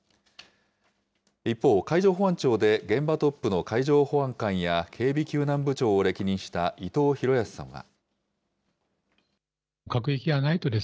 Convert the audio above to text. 一方、海上保安庁で現場トップの海上保安監や警備救難部長を歴任した伊藤裕康さんは。